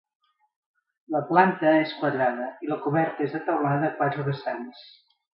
La planta és quadrada i la coberta és de teulada a quatre vessants.